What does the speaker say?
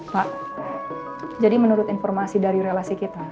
pak jadi menurut informasi dari relasi kita